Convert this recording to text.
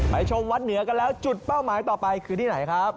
ชมวัดเหนือกันแล้วจุดเป้าหมายต่อไปคือที่ไหนครับ